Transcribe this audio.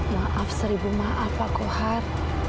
maaf seribu maaf pak kohar